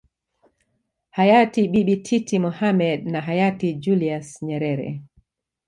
Hayati bibi titi Mohamed na Hayati Julius Nyerere